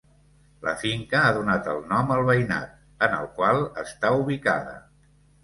La finca ha donat el nom al veïnat en el qual està ubicada.